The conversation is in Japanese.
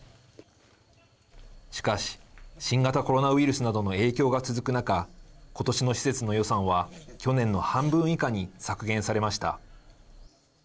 しかし新型コロナウイルスなどの影響が続く中ことしの施設の予算は去年の半分以下に削減されました。